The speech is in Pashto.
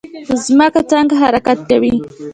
ځمکه څنګه حرکت کوي؟